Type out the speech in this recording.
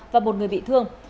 và một người bị thương